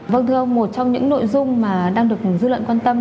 vâng thưa ông một trong những nội dung mà đang được dư luận quan tâm